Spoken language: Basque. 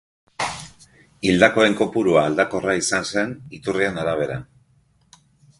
Hildakoen kopurua aldakorra izan zen, iturrien arabera.